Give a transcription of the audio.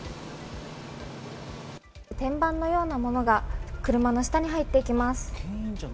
天板のようなものが車の下に入っていきます。